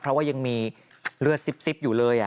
เพราะว่ายังมีเลือดซิบอยู่เลย